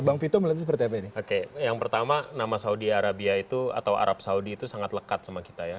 yang pertama nama saudi arabia atau arab saudi itu sangat lekat sama kita ya